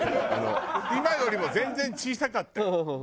今よりも全然小さかったよ。